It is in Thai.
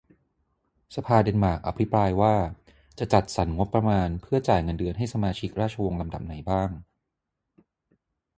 สภาเดนมาร์กอภิปรายว่า จะจัดจัดสรรงบประมาณเพื่อจ่ายเงินเดือนให้สมาชิกราชวงศ์ลำดับไหนบ้าง